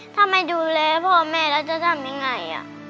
ถ้าไม่ดูแลพ่อแม่แล้วจะทำยังไง